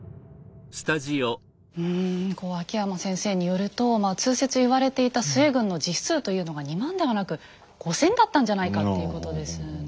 うんこう秋山先生によるとまあ通説言われていた陶軍の実数というのが２万ではなく５，０００だったんじゃないかっていうことですよね。